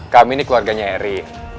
kami ini keluarganya eri